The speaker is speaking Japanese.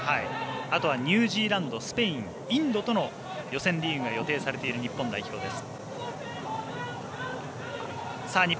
あとはニュージーランドスペインインドとの予選リーグが予定されている日本代表です。